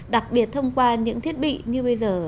đặc biệt thông qua những thiết bị như bây giờ